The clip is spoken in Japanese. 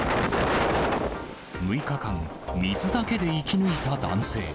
６日間、水だけで生き抜いた男性。